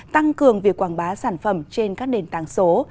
tăng cường việc quảng bá sản phẩm trên các nền tảng số